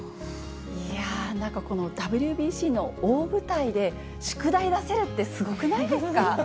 いやあ、なんかこのＷＢＣの大舞台で、宿題出せるって、すごくないですか。